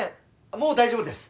もう大丈夫です。